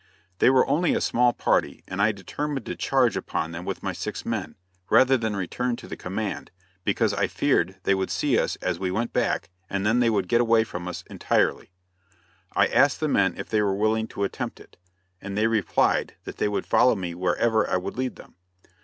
They were only a small party, and I determined to charge upon them with my six men, rather than return to the command, because I feared they would see us as we went back and then they would get away from us entirely. I asked the men if they were willing to attempt it, and they replied that they would follow me wherever I would lead them.